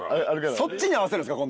そっちに合わせるんですか？